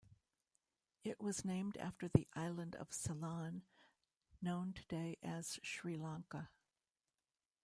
It was named after the island of Ceylon, known today as Sri Lanka.